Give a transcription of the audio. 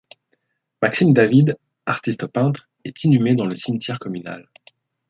Maxime David, artiste-peintre, est inhumé dans le cimetière communal.